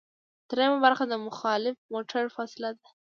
دریمه برخه د مخالف موټر فاصله ده